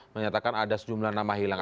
menyatakan ada sejumlah nama hilang